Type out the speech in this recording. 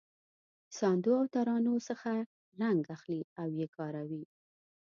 ساندو او ترانو څخه رنګ اخلي او یې کاروي.